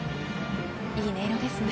いい音色ですね。